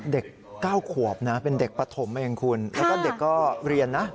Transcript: เด็ก๙ขวบนะเป็นเด็กปฐมเองคุณแล้วก็เด็กก็เรียนนะ